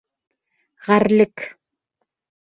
Ғәрлек!